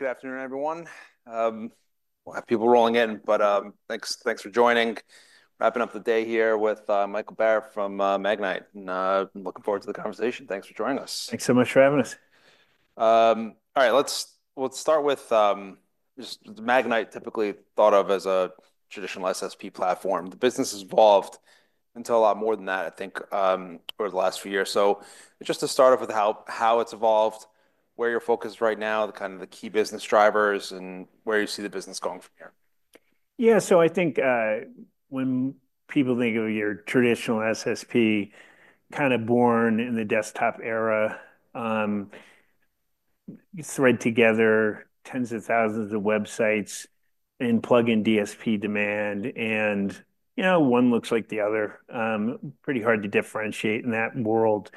Good afternoon, everyone. Thanks for joining. Wrapping up the day here with Michael Barrett from Magnite. I'm looking forward to the conversation. Thanks for joining us. Thanks so much for having us. All right, let's start with Magnite, typically thought of as a traditional SSP platform. The business has evolved into a lot more than that, I think, over the last few years. Just to start off with how it's evolved, where you're focused right now, the key business drivers, and where you see the business going from here. Yeah, so I think when people think of your traditional SSP, kind of born in the desktop era, you thread together tens of thousands of websites and plug in DSP demand, and you know one looks like the other. Pretty hard to differentiate in that world.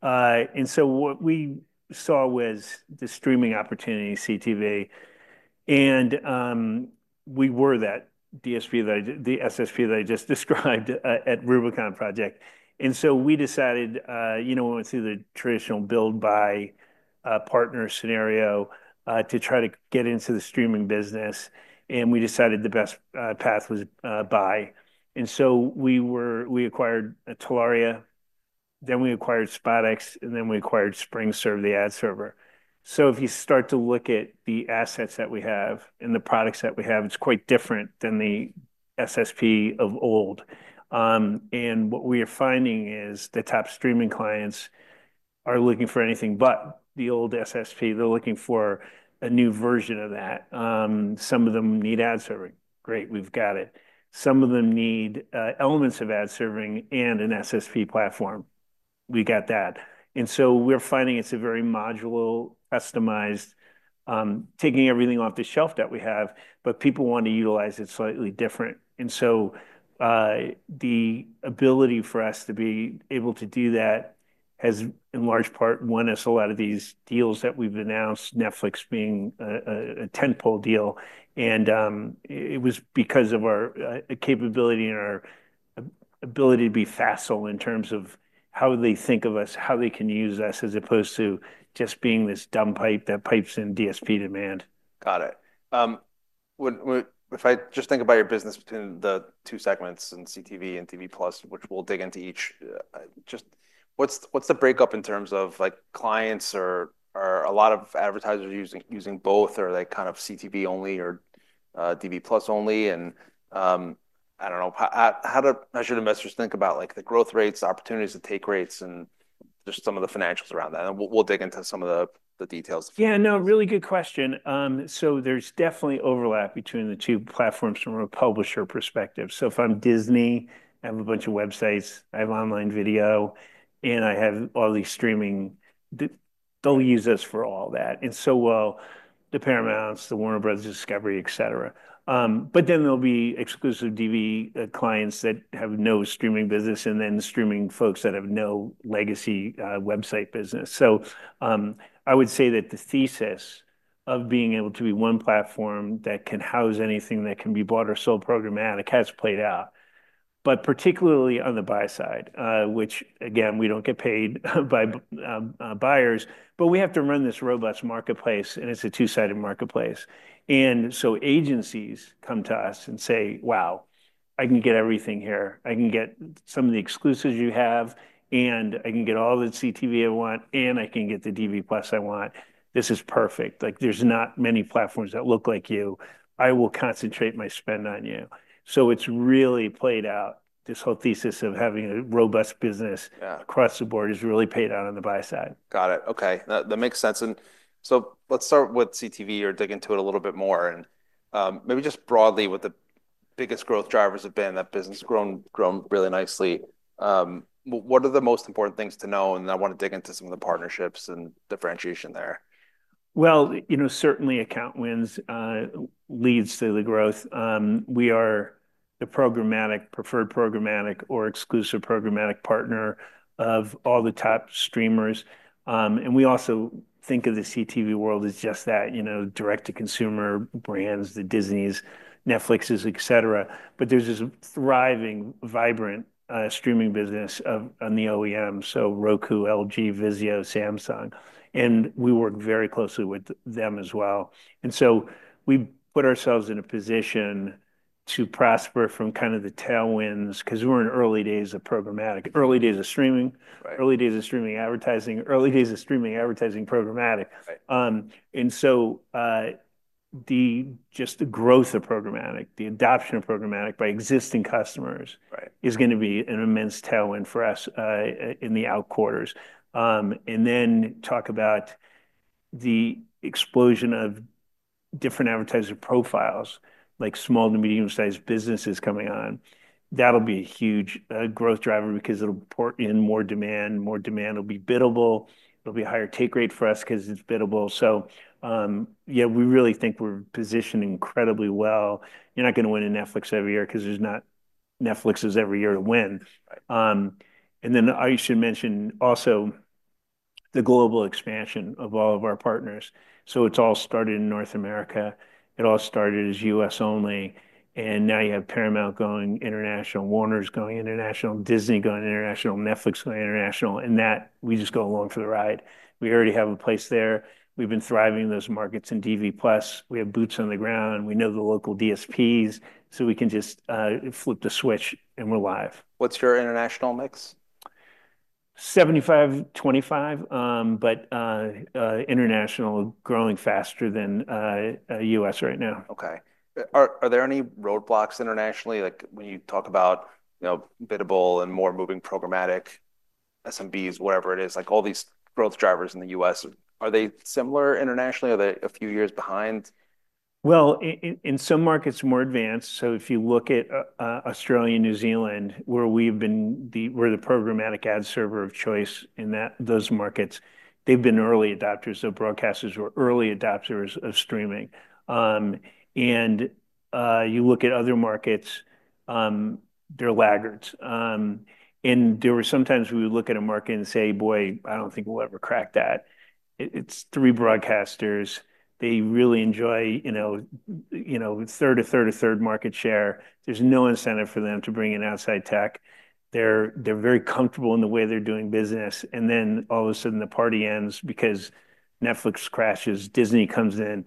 What we saw was the streaming opportunity, CTV, and we were that SSP that I just described at Rubicon Project. We went through the traditional build-buy-partner scenario to try to get into the streaming business, and we decided the best path was buy. We acquired Talaria, then we acquired SpotX, and then we acquired SpringServe, the ad server. If you start to look at the assets that we have and the products that we have, it's quite different than the SSP of old. What we are finding is the top streaming clients are looking for anything but the old SSP. They're looking for a new version of that. Some of them need ad serving. Great, we've got it. Some of them need elements of ad serving and an SSP platform. We got that. We're finding it's a very modular, customized, taking everything off the shelf that we have, but people want to utilize it slightly different. The ability for us to be able to do that has, in large part, won us a lot of these deals that we've announced, Netflix being a tentpole deal. It was because of our capability and our ability to be fast-sold in terms of how they think of us, how they can use us, as opposed to just being this dumb pipe that pipes in DSP demand. Got it. If I just think about your business between the two segments in CTV and DV+, which we'll dig into each, what's the breakup in terms of clients? Are a lot of advertisers using both, or are they kind of CTV only or DV+ only? I don't know, how should investors think about the growth rates, opportunities to take rates, and some of the financials around that? We'll dig into some of the details. Yeah, no, really good question. There's definitely overlap between the two platforms from a publisher perspective. If I'm Disney, I have a bunch of websites, I have online video, and I have all these streaming, they'll use us for all that. So will Paramount, Warner Bros. Discovery, et cetera. There will be exclusive DV+ clients that have no streaming business, and then streaming folks that have no legacy website business. I would say that the thesis of being able to be one platform that can house anything that can be bought or sold programmatic has played out. Particularly on the buy side, which again, we don't get paid by buyers, but we have to run this robust marketplace, and it's a two-sided marketplace. Agencies come to us and say, wow, I can get everything here. I can get some of the exclusives you have, and I can get all the CTV I want, and I can get the DV+ I want. This is perfect. There are not many platforms that look like you. I will concentrate my spend on you. It's really played out. This whole thesis of having a robust business across the board has really paid out on the buy side. Got it. Okay, that makes sense. Let's start with connected TV or dig into it a little bit more. Maybe just broadly, what the biggest growth drivers have been, that business has grown really nicely. What are the most important things to know? I want to dig into some of the partnerships and differentiation there. Certainly, account wins lead to the growth. We are the programmatic, preferred programmatic, or exclusive programmatic partner of all the top streamers. We also think of the connected TV world as just that, direct-to-consumer brands, the Disneys, Netflix, et cetera. There is this thriving, vibrant streaming business on the OEM side, so Roku, LG, Vizio, Samsung. We work very closely with them as well. We put ourselves in a position to prosper from the tailwinds, because we're in early days of programmatic, early days of streaming, early days of streaming advertising, early days of streaming advertising programmatic. Just the growth of programmatic, the adoption of programmatic by existing customers, is going to be an immense tailwind for us in the out quarters. Talk about the explosion of different advertiser profiles, like small to medium-sized businesses coming on. That will be a huge growth driver because it will port in more demand. More demand will be biddable. It will be a higher take rate for us because it's biddable. We really think we're positioned incredibly well. You're not going to win in Netflix every year because there are not Netflix opportunities every year to win. I should mention also the global expansion of all of our partners. It all started in North America. It all started as U.S. only. Now you have Paramount going international, Warner Bros. Discovery going international, Disney going international, Netflix going international. We just go along for the ride. We already have a place there. We've been thriving in those markets in DV+. We have boots on the ground. We know the local DSPs. We can just flip the switch and we're live. What's your international mix? 75-25, but international growing faster than U.S. right now. Okay. Are there any roadblocks internationally? Like when you talk about, you know, biddable and more moving programmatic SMBs, whatever it is, like all these growth drivers in the U.S., are they similar internationally? Are they a few years behind? In some markets, more advanced. If you look at Australia, New Zealand, where we've been, we're the programmatic ad server of choice in those markets. They've been early adopters of broadcasters, were early adopters of streaming. You look at other markets, they're laggards. There were times we would look at a market and say, boy, I don't think we'll ever crack that. It's three broadcasters. They really enjoy, you know, third to third to third market share. There's no incentive for them to bring in outside tech. They're very comfortable in the way they're doing business. All of a sudden the party ends because Netflix crashes, Disney comes in,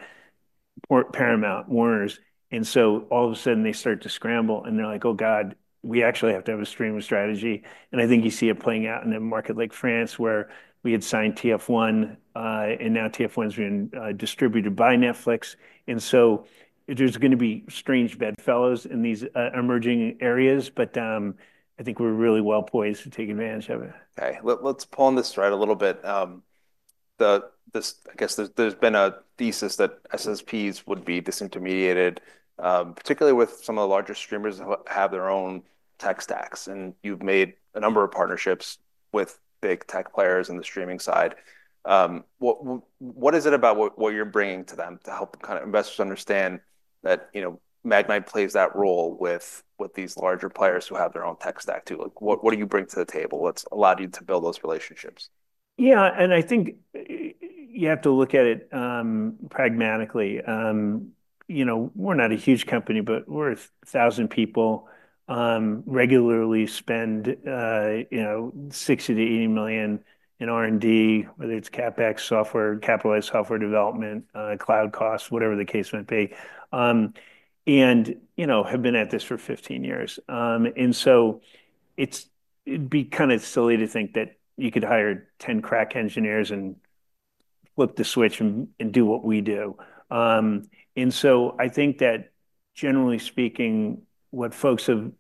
or Paramount, Warner Bros. Discovery. All of a sudden they start to scramble and they're like, oh God, we actually have to have a streaming strategy. I think you see it playing out in a market like France where we had signed TF1 and now TF1's been distributed by Netflix. There's going to be strange bedfellows in these emerging areas, but I think we're really well poised to take advantage of it. Okay, let's pull on this thread a little bit. I guess there's been a thesis that SSPs would be disintermediated, particularly with some of the larger streamers that have their own tech stacks. You've made a number of partnerships with big tech players in the streaming side. What is it about what you're bringing to them to help investors understand that Magnite plays that role with these larger players who have their own tech stack too? What do you bring to the table that's allowed you to build those relationships? Yeah, and I think you have to look at it pragmatically. You know, we're not a huge company, but we're a thousand people. Regularly spend, you know, $60 - $80 million in R&D, whether it's CapEx, software, capitalized software development, cloud costs, whatever the case might be. You know, have been at this for 15 years. It'd be kind of silly to think that you could hire 10 crack engineers and flip the switch and do what we do. I think that generally speaking, what folks have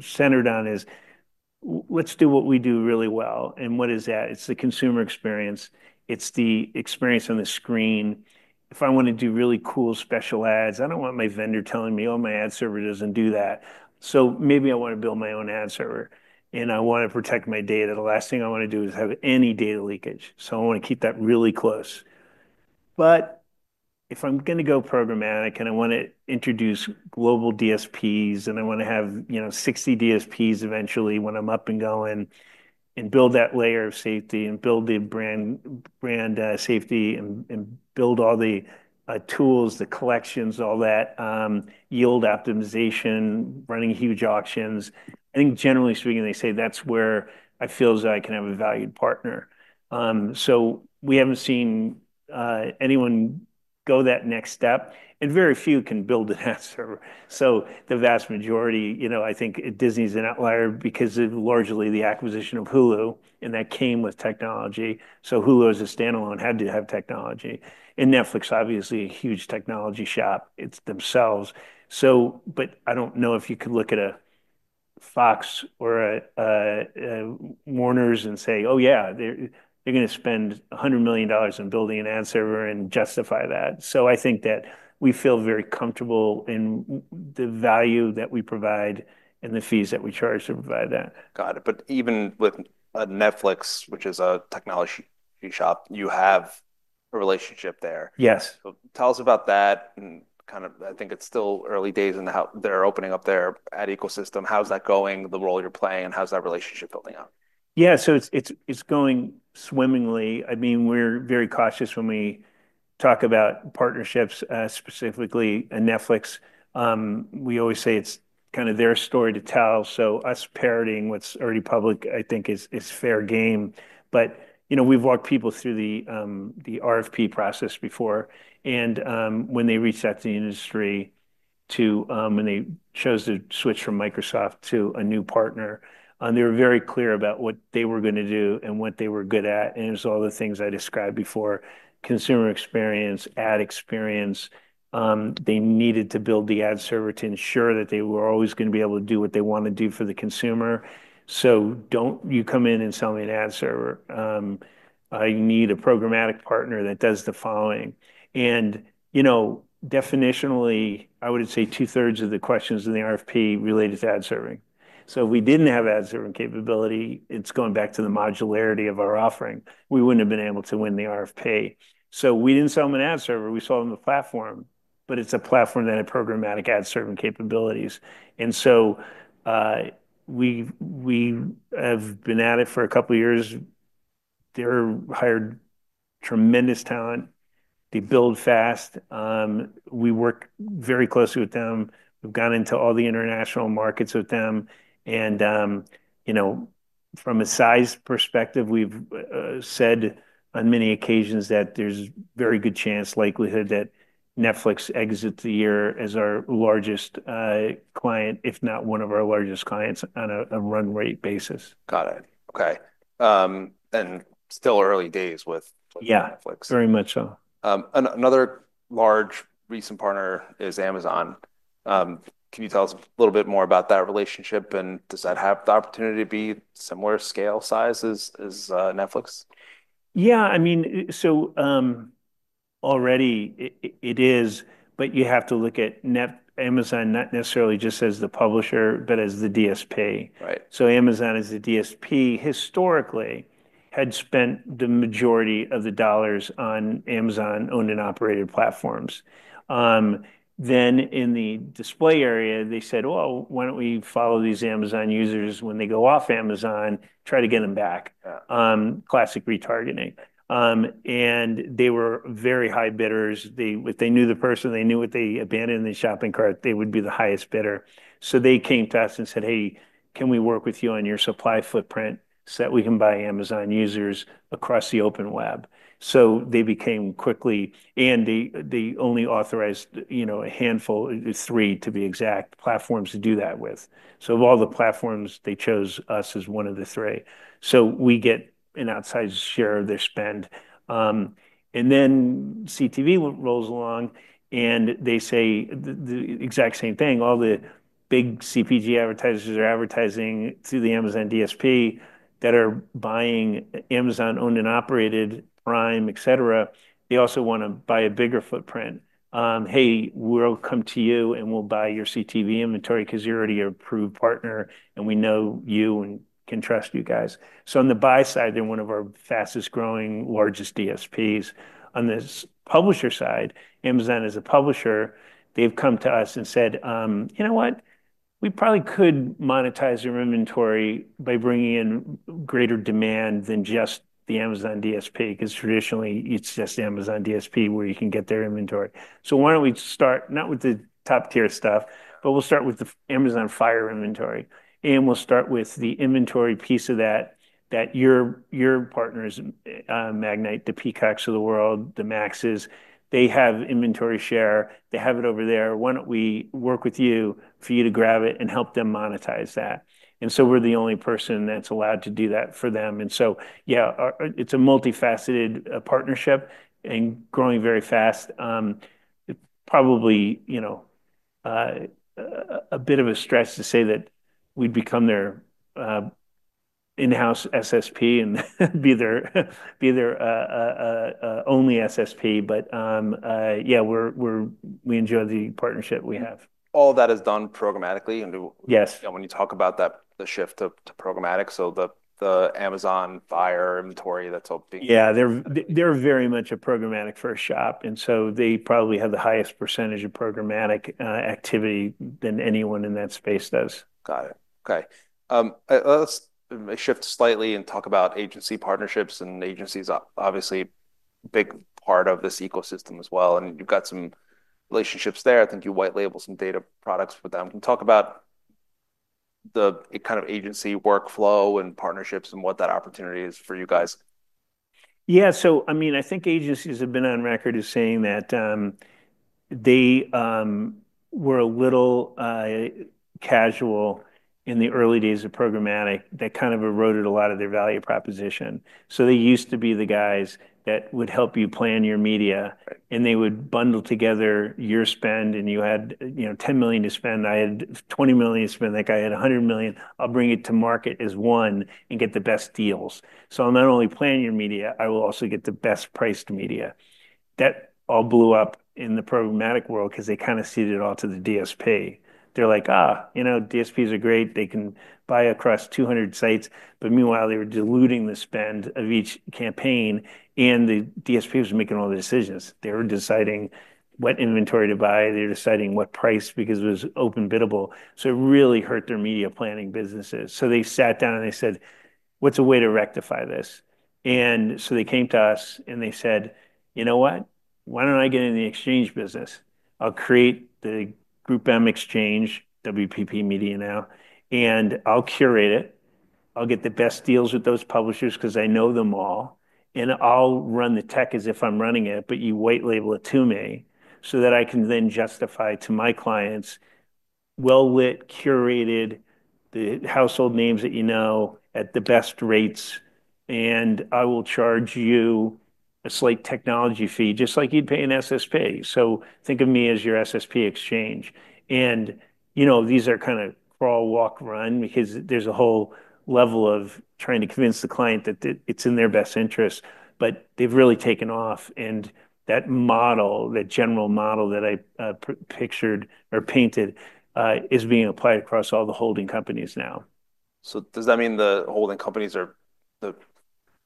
centered on is let's do what we do really well. What is that? It's the consumer experience. It's the experience on the screen. If I want to do really cool special ads, I don't want my vendor telling me, oh, my ad server doesn't do that. Maybe I want to build my own ad server and I want to protect my data. The last thing I want to do is have any data leakage. I want to keep that really close. If I'm going to go programmatic and I want to introduce global DSPs and I want to have, you know, 60 DSPs eventually when I'm up and going and build that layer of safety and build the brand safety and build all the tools, the collections, all that, yield optimization, running huge auctions, I think generally speaking, they say that's where I feel as though I can have a valued partner. We haven't seen anyone go that next step and very few can build an ad server. The vast majority, you know, I think Disney's an outlier because of largely the acquisition of Hulu and that came with technology. Hulu as a standalone had to have technology. Netflix obviously is a huge technology shop itself. I don't know if you could look at a Fox or a Warner Bros. Discovery and say, oh yeah, they're going to spend $100 million on building an ad server and justify that. I think that we feel very comfortable in the value that we provide and the fees that we charge to provide that. Got it. Even with Netflix, which is a technology shop, you have a relationship there. Yes. Tell us about that. I think it's still early days in how they're opening up their ad ecosystem. How's that going, the role you're playing, and how's that relationship building up? Yeah, so it's going swimmingly. I mean, we're very cautious when we talk about partnerships, specifically Netflix. We always say it's kind of their story to tell. Us parroting what's already public, I think is fair game. We've walked people through the RFP process before. When they reached out to the industry, when they chose to switch from Microsoft to a new partner, they were very clear about what they were going to do and what they were good at. It was all the things I described before: consumer experience, ad experience. They needed to build the ad server to ensure that they were always going to be able to do what they want to do for the consumer. Don't you come in and sell me an ad server. I need a programmatic partner that does the following. Definitionally, I would say two-thirds of the questions in the RFP related to ad serving. If we didn't have ad serving capability, it's going back to the modularity of our offering. We wouldn't have been able to win the RFP. We didn't sell them an ad server. We sold them a platform, but it's a platform that had programmatic ad serving capabilities. We have been at it for a couple of years. They hired tremendous talent. They build fast. We work very closely with them. We've gone into all the international markets with them. From a size perspective, we've said on many occasions that there's a very good chance, likelihood that Netflix exits the year as our largest client, if not one of our largest clients on a run rate basis. Got it. Okay, still early days with Netflix. Yeah, very much so. Another large recent partner is Amazon. Can you tell us a little bit more about that relationship? Does that have the opportunity to be similar scale size as Netflix? Yeah, I mean, so already it is, but you have to look at Amazon not necessarily just as the publisher, but as the DSP. Amazon as the DSP historically had spent the majority of the dollars on Amazon owned and operated platforms. Then in the display area, they said, why don't we follow these Amazon users when they go off Amazon, try to get them back, classic retargeting. They were very high bidders. If they knew the person, they knew what they abandoned in the shopping cart, they would be the highest bidder. They came to us and said, hey, can we work with you on your supply footprint so that we can buy Amazon users across the open web? They became quickly, and they only authorized, you know, a handful, three to be exact, platforms to do that with. Of all the platforms, they chose us as one of the three. We get an outsized share of their spend. CTV rolls along and they say the exact same thing. All the big CPG advertisers are advertising through the Amazon DSP that are buying Amazon owned and operated, Prime, et cetera. They also want to buy a bigger footprint. Hey, we'll come to you and we'll buy your CTV inventory because you're already an approved partner and we know you and can trust you guys. On the buy side, they're one of our fastest growing, largest DSPs. On the publisher side, Amazon as a publisher, they've come to us and said, you know what, we probably could monetize your inventory by bringing in greater demand than just the Amazon DSP because traditionally it's just the Amazon DSP where you can get their inventory. Why don't we start not with the top tier stuff, but we'll start with the Amazon Fire inventory. We'll start with the inventory piece of that that your partners, Magnite, the Peacocks of the world, the Maxes, they have inventory share. They have it over there. Why don't we work with you for you to grab it and help them monetize that? We're the only person that's allowed to do that for them. Yeah, it's a multifaceted partnership and growing very fast. Probably, you know, a bit of a stress to say that we'd become their in-house SSP and be their only SSP. Yeah, we enjoy the partnership we have. All of that is done programmatically. Yes. When you talk about that, the shift to programmatic, the Amazon Fire inventory that's open. Yeah, they're very much a programmatic-first shop. They probably have the highest % of programmatic activity than anyone in that space does. Got it. Okay. Let's shift slightly and talk about agency partnerships. Agencies are obviously a big part of this ecosystem as well. You've got some relationships there. I think you white label some data products for them. Can you talk about the kind of agency workflow and partnerships and what that opportunity is for you guys? Yeah, I think agencies have been on record as saying that they were a little casual in the early days of programmatic. That kind of eroded a lot of their value proposition. They used to be the guys that would help you plan your media, and they would bundle together your spend. You had $10 million to spend, I had $20 million to spend, that guy had $100 million. I'll bring it to market as one and get the best deals. I'll not only plan your media, I will also get the best priced media. That all blew up in the programmatic world because they kind of ceded it all to the DSP. They're like, you know, DSPs are great, they can buy across 200 sites. Meanwhile, they were diluting the spend of each campaign, and the DSP was making all the decisions. They were deciding what inventory to buy, they were deciding what price because it was open biddable. It really hurt their media planning businesses. They sat down and said, what's a way to rectify this? They came to us and said, you know what? Why don't I get in the exchange business? I'll create the GroupM Exchange, WPP Media now, and I'll curate it. I'll get the best deals with those publishers because I know them all, and I'll run the tech as if I'm running it, but you white label it to me so that I can then justify to my clients well-lit, curated, the household names that you know at the best rates. I will charge you a slight technology fee, just like you'd pay an SSP. Think of me as your SSP exchange. These are kind of crawl, walk, run because there's a whole level of trying to convince the client that it's in their best interest. They've really taken off, and that model, that general model that I pictured or painted, is being applied across all the holding companies now. Does that mean the holding companies are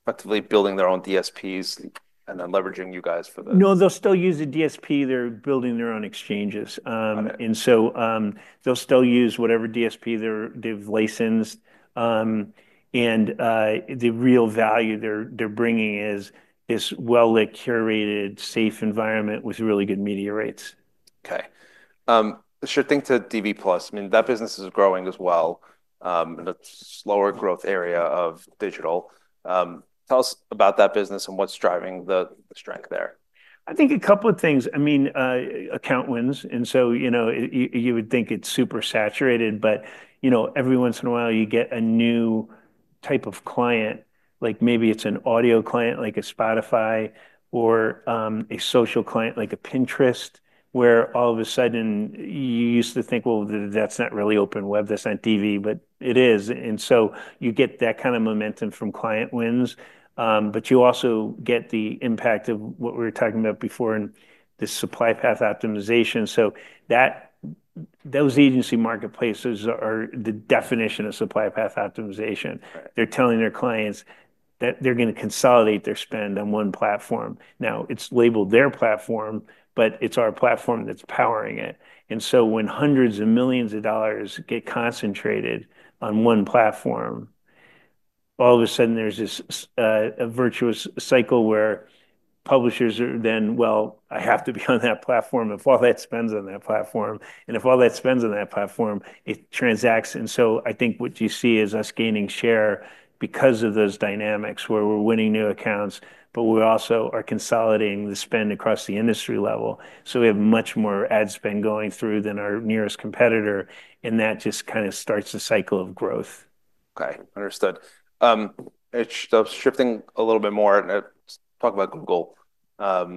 actively building their own DSPs and then leveraging you guys for this? No, they'll still use the DSP. They're building their own exchanges. They'll still use whatever DSP they've licensed. The real value they're bringing is this well-lit, curated, safe environment with really good media rates. Okay. Shifting to DV+; I mean, that business is growing as well in a slower growth area of digital. Tell us about that business and what's driving the strength there. I think a couple of things. I mean, account wins. You would think it's super saturated, but every once in a while you get a new type of client, like maybe it's an audio client, like a Spotify, or a social client, like a Pinterest, where all of a sudden you used to think, well, that's not really open web, that's not TV, but it is. You get that kind of momentum from client wins. You also get the impact of what we were talking about before in the supply path optimization. Those agency-curated marketplaces are the definition of supply path optimization. They're telling their clients that they're going to consolidate their spend on one platform. Now it's labeled their platform, but it's our platform that's powering it. When hundreds of millions of dollars get concentrated on one platform, all of a sudden there's this virtuous cycle where publishers are then, well, I have to be on that platform if all that spend's on that platform. If all that spend's on that platform, it transacts. I think what you see is us gaining share because of those dynamics where we're winning new accounts, but we also are consolidating the spend across the industry level. We have much more ad spend going through than our nearest competitor, and that just kind of starts a cycle of growth. Okay, understood. Shifting a little bit more, talk about Google. Had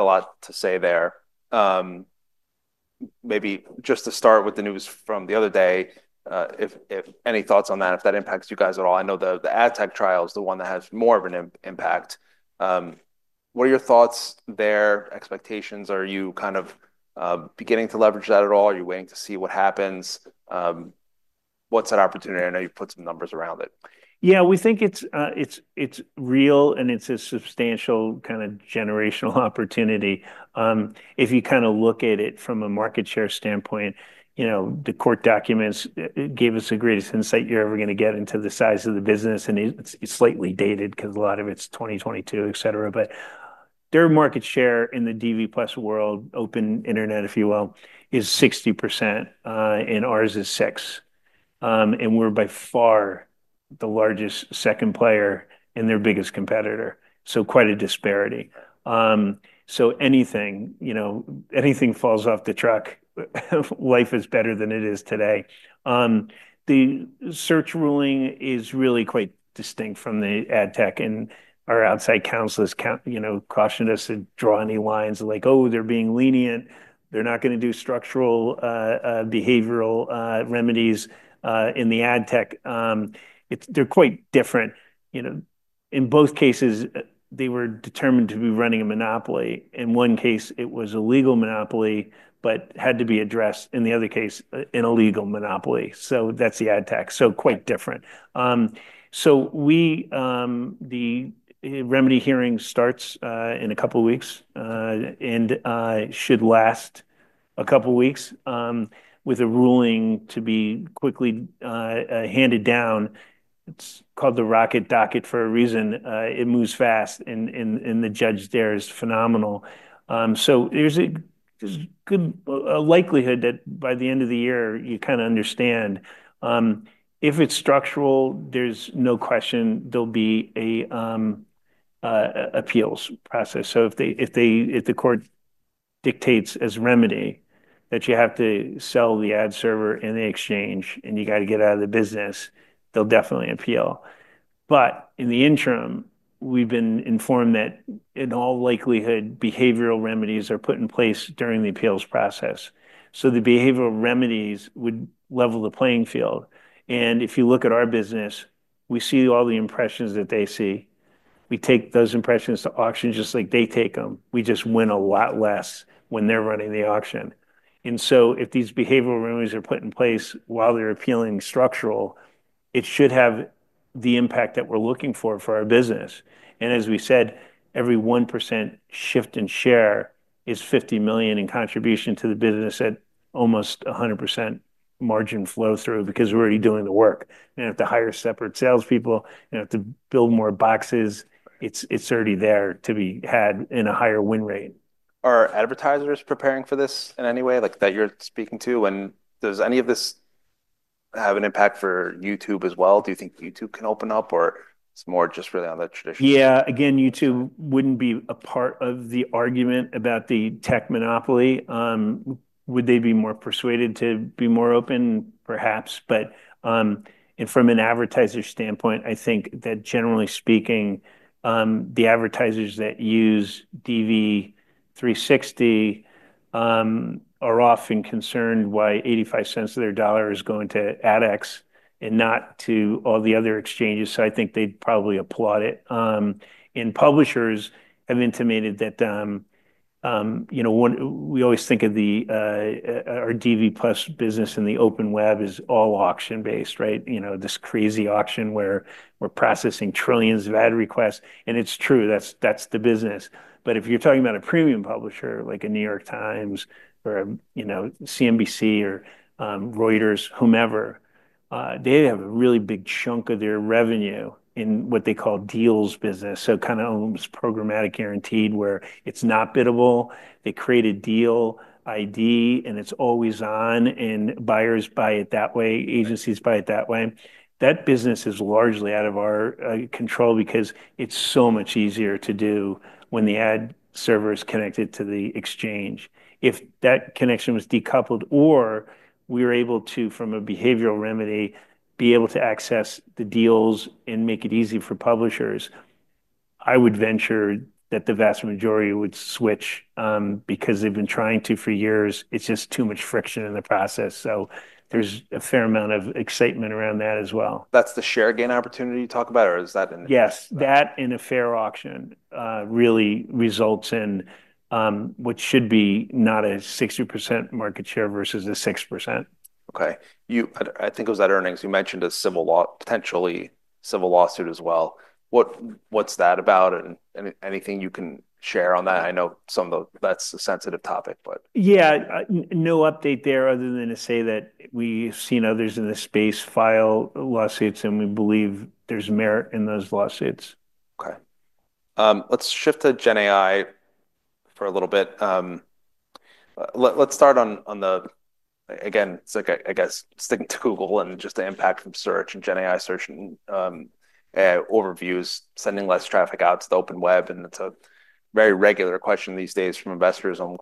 a lot to say there. Maybe just to start with the news from the other day, if any thoughts on that, if that impacts you guys at all. I know the AdTech trial is the one that has more of an impact. What are your thoughts there, expectations? Are you kind of beginning to leverage that at all? Are you waiting to see what happens? What's that opportunity? I know you put some numbers around it. Yeah, we think it's real and it's a substantial kind of generational opportunity. If you kind of look at it from a market share standpoint, the court documents gave us the greatest insight you're ever going to get into the size of the business. It's slightly dated because a lot of it's 2022, et cetera. Their market share in the DV+ world, open internet if you will, is 60% and ours is 6%. We're by far the largest second player and their biggest competitor. Quite a disparity. Anything falls off the truck, life is better than it is today. The search ruling is really quite distinct from the AdTech. Our outside counselors cautioned us to draw any lines of like, oh, they're being lenient. They're not going to do structural behavioral remedies in the AdTech. They're quite different. In both cases, they were determined to be running a monopoly. In one case, it was a legal monopoly, but had to be addressed. In the other case, an illegal monopoly. That's the AdTech. Quite different. The remedy hearing starts in a couple of weeks and should last a couple of weeks with a ruling to be quickly handed down. It's called the rocket docket for a reason. It moves fast and the judge there is phenomenal. There's a good likelihood that by the end of the year, you kind of understand. If it's structural, there's no question there'll be an appeals process. If the court dictates as remedy that you have to sell the ad server in the exchange and you got to get out of the business, they'll definitely appeal. In the interim, we've been informed that in all likelihood, behavioral remedies are put in place during the appeals process. The behavioral remedies would level the playing field. If you look at our business, we see all the impressions that they see. We take those impressions to auction just like they take them. We just win a lot less when they're running the auction. If these behavioral remedies are put in place while they're appealing structural, it should have the impact that we're looking for for our business. As we said, every 1% shift in share is $50 million in contribution to the business at almost 100% margin flow through because we're already doing the work. You don't have to hire separate salespeople. You don't have to build more boxes. It's already there to be had in a higher win rate. Are advertisers preparing for this in any way that you're speaking to? Does any of this have an impact for YouTube as well? Do you think YouTube can open up, or it's more just really on the traditional? Yeah, again, YouTube wouldn't be a part of the argument about the tech monopoly. Would they be more persuaded to be more open? Perhaps. From an advertiser's standpoint, I think that generally speaking, the advertisers that use DV360 are often concerned why $0.85 to their dollar is going to AdX and not to all the other exchanges. I think they'd probably applaud it. Publishers have intimated that, you know, we always think of our DV+ business in the open web as all auction-based, right? This crazy auction where we're processing trillions of ad requests. It's true, that's the business. If you're talking about a premium publisher like The New York Times or CNBC or Reuters, whomever, they have a really big chunk of their revenue in what they call deals business. It kind of owns programmatic guaranteed where it's not biddable. They create a deal ID and it's always on and buyers buy it that way. Agencies buy it that way. That business is largely out of our control because it's so much easier to do when the ad server is connected to the exchange. If that connection was decoupled or we were able to, from a behavioral remedy, be able to access the deals and make it easy for publishers, I would venture that the vast majority would switch because they've been trying to for years. It's just too much friction in the process. There's a fair amount of excitement around that as well. That's the share gain opportunity you talk about, or is that in a... Yes, that in a fair auction really results in what should be not a 60% market share versus a 6%. Okay. I think it was at earnings you mentioned a potential civil lawsuit as well. What's that about? Anything you can share on that? I know that's a sensitive topic. Yeah, no update there other than to say that we've seen others in this space file lawsuits, and we believe there's merit in those lawsuits. Okay. Let's shift to GenAI for a little bit. Let's start on the, again, I guess sticking to Google and just the impact from search and GenAI search and AI overviews, sending less traffic out to the open web. It's a very regular question these days from investors on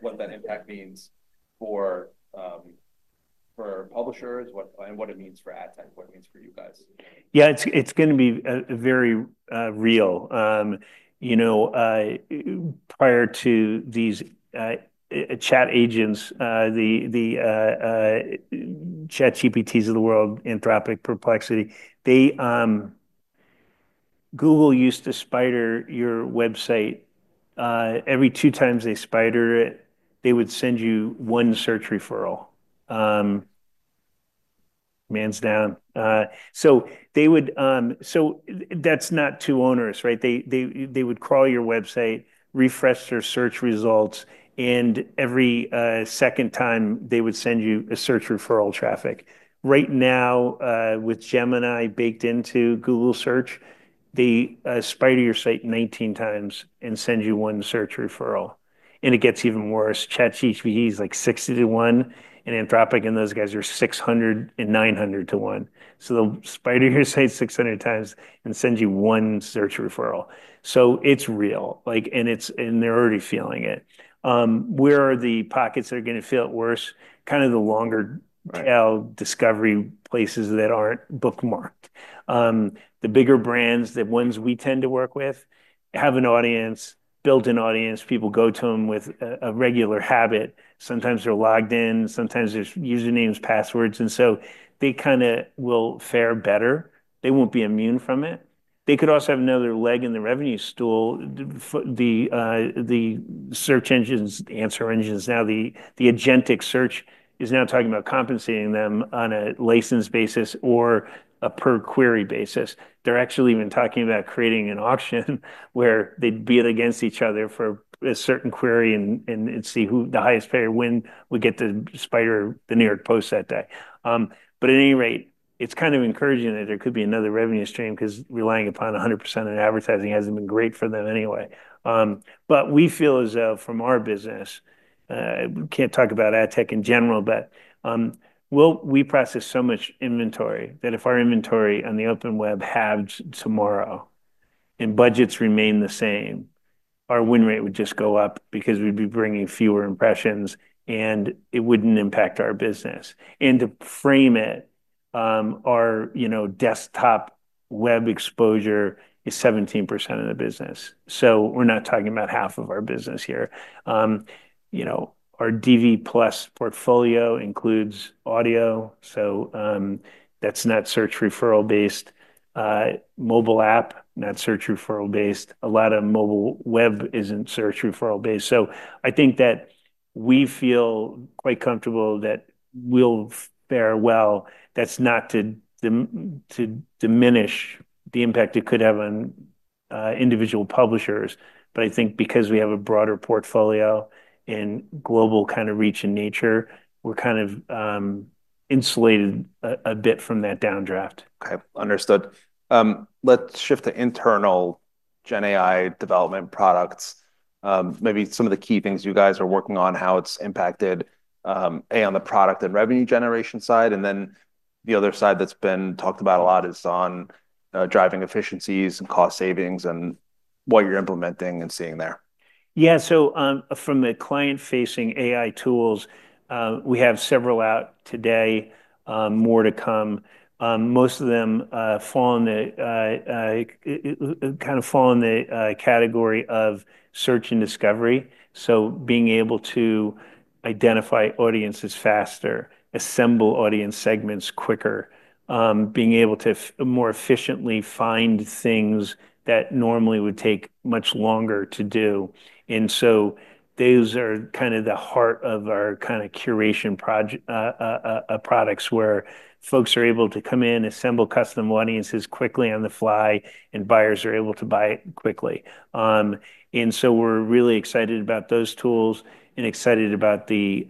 what that impact means for publishers and what it means for ad tech, what it means for you guys. Yeah, it's going to be very real. You know, prior to these chat agents, the ChatGPTs of the world, Anthropic, Perplexity, Google used to spider your website. Every two times they spidered it, they would send you one search referral. Man's down. That's not too onerous, right? They would crawl your website, refresh their search results, and every second time they would send you a search referral traffic. Right now, with Gemini baked into Google Search, they spider your site 19 times and send you one search referral. It gets even worse. ChatGPT is like 60 to 1, and Anthropic and those guys are 600 and 900 to 1. They'll spider your site 600 times and send you one search referral. It's real, and they're already feeling it. Where are the pockets that are going to feel it worse? Kind of the longer tail discovery places that aren't bookmarked. The bigger brands, the ones we tend to work with, have an audience, built an audience. People go to them with a regular habit. Sometimes they're logged in, sometimes there's usernames, passwords, and so they kind of will fare better. They won't be immune from it. They could also have another leg in the revenue stool. The search engines, the answer engines, now the agentic search is now talking about compensating them on a license basis or a per query basis. They're actually even talking about creating an auction where they'd beat against each other for a certain query and see who the highest payer wins would get to spider the New York Post that day. At any rate, it's kind of encouraging that there could be another revenue stream because relying upon 100% in advertising hasn't been great for them anyway. We feel as though from our business, we can't talk about AdTech in general, but we process so much inventory that if our inventory on the open web halved tomorrow and budgets remain the same, our win rate would just go up because we'd be bringing fewer impressions and it wouldn't impact our business. To frame it, our, you know, desktop web exposure is 17% of the business. We're not talking about half of our business here. Our DV+ portfolio includes audio, so that's not search referral-based. Mobile app, not search referral-based. A lot of mobile web isn't search referral-based. I think that we feel quite comfortable that we'll fare well. That's not to diminish the impact it could have on individual publishers, but I think because we have a broader portfolio and global kind of reach in nature, we're kind of insulated a bit from that downdraft. Okay, understood. Let's shift to internal GenAI development products. Maybe some of the key things you guys are working on, how it's impacted on the product and revenue generation side, and the other side that's been talked about a lot is on driving efficiencies and cost savings and what you're implementing and seeing there. Yeah, from the client-facing AI tools, we have several out today, more to come. Most of them fall in the category of search and discovery. Being able to identify audiences faster, assemble audience segments quicker, being able to more efficiently find things that normally would take much longer to do. Those are the heart of our curation products where folks are able to come in, assemble custom audiences quickly on the fly, and buyers are able to buy it quickly. We're really excited about those tools and excited about the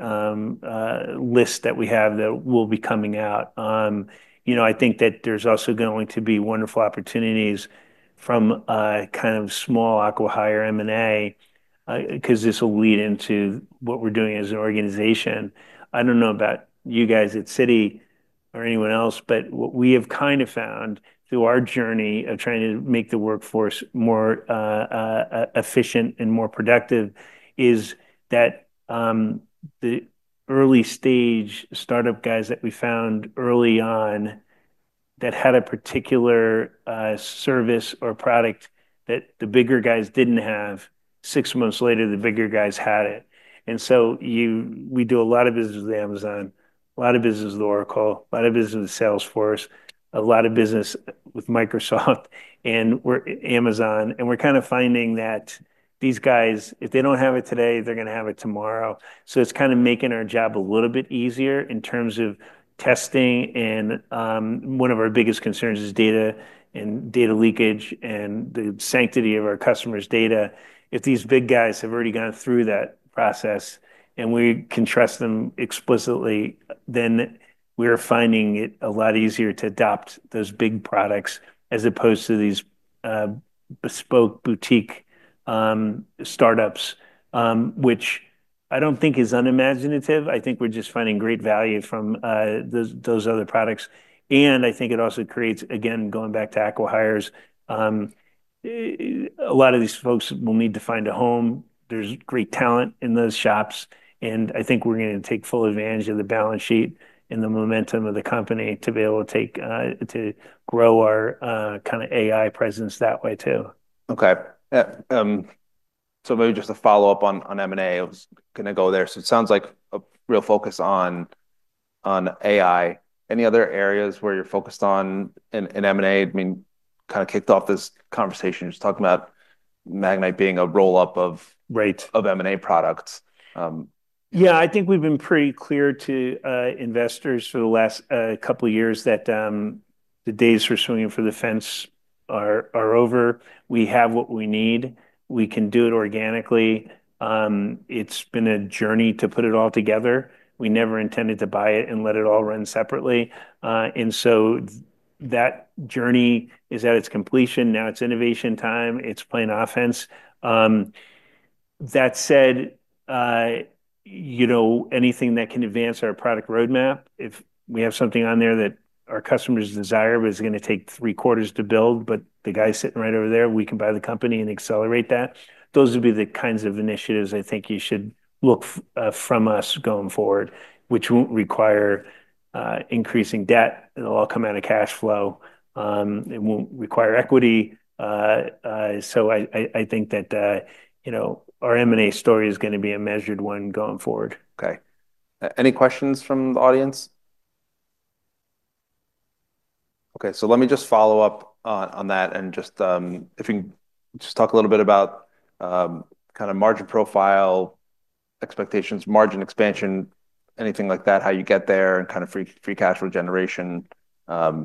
list that we have that will be coming out. I think that there's also going to be wonderful opportunities from small, acqui-hire M&A, because this will lead into what we're doing as an organization. I don't know about you guys at Citi or anyone else, but what we have found through our journey of trying to make the workforce more efficient and more productive is that the early stage startup guys that we found early on that had a particular service or product that the bigger guys didn't have, six months later, the bigger guys had it. We do a lot of business with Amazon, a lot of business with Oracle, a lot of business with Salesforce, a lot of business with Microsoft, and we're Amazon. We're finding that these guys, if they don't have it today, they're going to have it tomorrow. It's making our job a little bit easier in terms of testing. One of our biggest concerns is data and data leakage and the sanctity of our customers' data. If these big guys have already gone through that process and we can trust them explicitly, then we're finding it a lot easier to adopt those big products as opposed to these bespoke boutique startups, which I don't think is unimaginative. We're just finding great value from those other products. I think it also creates, again, going back to acqui-hires, a lot of these folks will need to find a home. There's great talent in those shops. I think we're going to take full advantage of the balance sheet and the momentum of the company to be able to grow our AI presence that way too. Okay. Yeah. Maybe just a follow-up on M&A. I was going to go there. It sounds like a real focus on AI. Any other areas where you're focused on in M&A? I mean, kind of kicked off this conversation. You're talking about Magnite being a roll-up of M&A products. Yeah, I think we've been pretty clear to investors for the last couple of years that the days for swinging for the fence are over. We have what we need. We can do it organically. It's been a journey to put it all together. We never intended to buy it and let it all run separately. That journey is at its completion. Now it's innovation time. It's playing offense. That said, anything that can advance our product roadmap, if we have something on there that our customers desire, but it's going to take three quarters to build, but the guy's sitting right over there, we can buy the company and accelerate that. Those would be the kinds of initiatives I think you should look from us going forward, which won't require increasing debt. It'll all come out of cash flow. It won't require equity. I think that our M&A story is going to be a measured one going forward. Okay. Any questions from the audience? Okay, let me just follow up on that and, if you can, just talk a little bit about kind of margin profile expectations, margin expansion, anything like that, how you get there, and kind of free cash flow generation. How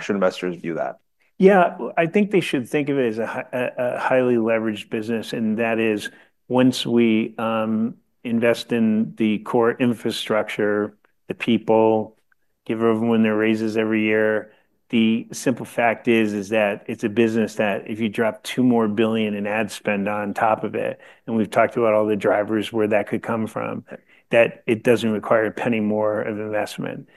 should investors view that? Yeah, I think they should think of it as a highly leveraged business. That is, once we invest in the core infrastructure, the people, give everyone their raises every year, the simple fact is that it's a business that if you drop $2 billion more in ad spend on top of it, and we've talked about all the drivers where that could come from, it doesn't require a penny more of investment.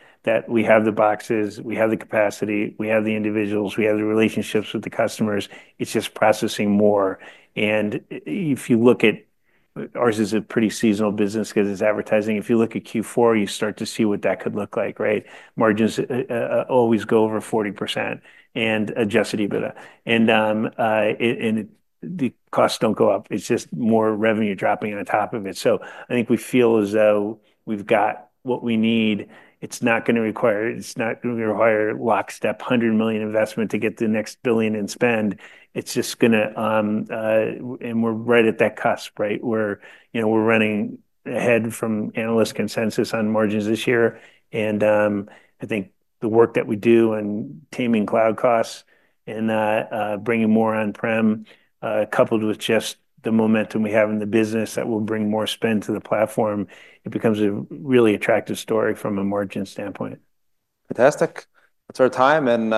We have the boxes, we have the capacity, we have the individuals, we have the relationships with the customers. It's just processing more. If you look at ours, it's a pretty seasonal business because it's advertising. If you look at Q4, you start to see what that could look like, right? Margins always go over 40% in adjusted EBITDA, and the costs don't go up. It's just more revenue dropping on top of it. I think we feel as though we've got what we need. It's not going to require lockstep, $100 million investment to get the next billion in spend. It's just going to, and we're right at that cusp, right? We're running ahead from analyst consensus on margins this year. I think the work that we do on taming cloud costs and bringing more on-prem, coupled with just the momentum we have in the business that will bring more spend to the platform, it becomes a really attractive story from a margin standpoint. Fantastic. That's our time, and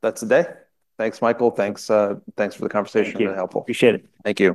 that's the day. Thanks, Michael. Thanks. Thanks for the conversation. Really helpful. Appreciate it. Thank you.